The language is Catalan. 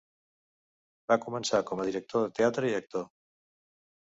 Va començar com a director de teatre i actor.